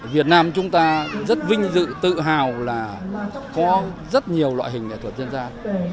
việt nam chúng ta rất vinh dự tự hào là có rất nhiều loại hình nghệ thuật dân gian